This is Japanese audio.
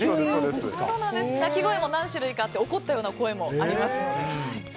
鳴き声も何種類かあって怒ったような声もありますので。